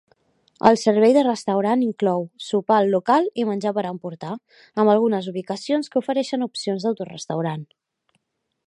El servei de restaurant inclou: sopar al local i menjar per emportar, amb algunes ubicacions que ofereixen opcions d'autorestaurant.